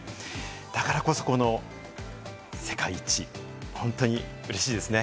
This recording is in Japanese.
だからこそ、世界一、本当にうれしいですね！